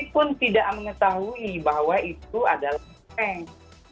pun tidak mengetahui bahwa itu adalah prank